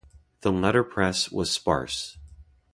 The letterpress was sparse.